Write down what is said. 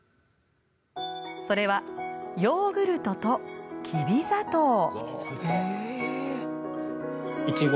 それはヨーグルトと、きび砂糖。